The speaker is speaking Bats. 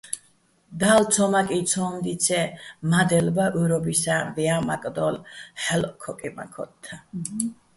დალნ ცომაკინ ცომ დაჲცი̆-ჲე, მადელ ბა უჲრობისაჼ ვაჲა მაკდოლო̆ ჰ̦ალოჸ ქოკიმაქ ოთთაჼ.